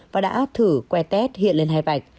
và đã thử que test hiện lên hai vạch